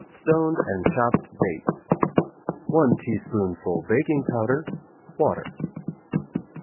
stoned and chopped dates, 1 teaspoonful baking powder, water.